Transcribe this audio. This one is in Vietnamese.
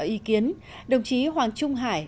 theo ý kiến đồng chí hoàng trung hải